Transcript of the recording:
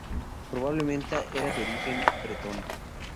Probablemente era de origen bretón.